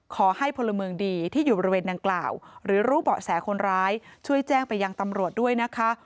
ขอให้พลเมืองดีที่อยู่บริเวณดังกล่าวหรือรู้เบาะแสคนร้ายช่วยแจ้งไปยังตำรวจด้วยนะคะ